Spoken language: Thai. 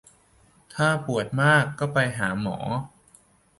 ถ้าปวดมากก็ไปหาหมอ